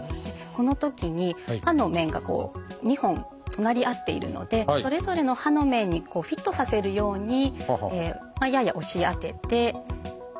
このときに歯の面がこう２本隣り合っているのでそれぞれの歯の面にフィットさせるようにやや押し当てて５往復。